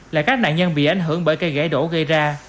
là các nạn nhân bị ảnh hưởng bởi cây gãy đổ gây ra